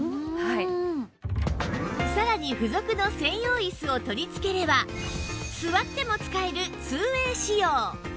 さらに付属の専用椅子を取り付ければ座っても使える ２ＷＡＹ 仕様